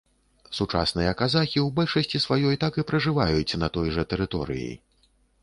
Сучасныя казахі ў большасці сваёй так і пражываюць на той жа тэрыторыі.